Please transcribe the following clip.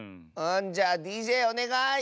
じゃあＤＪおねがい！